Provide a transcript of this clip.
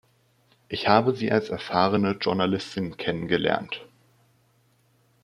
Ich habe Sie als erfahrene Journalistin kennen gelernt.